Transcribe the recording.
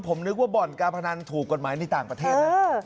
ผมนึกว่าบ่อนการพนันถูกกฎหมายในต่างประเทศนะ